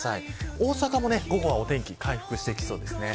大阪も午後は、お天気回復してきそうです。